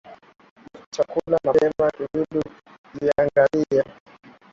Wacha kula mapema, kidudu mtu jiangalie.